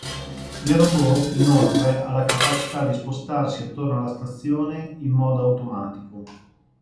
Il robot inoltre ha la capacità di spostarsi attorno alla stazione in modo automatico.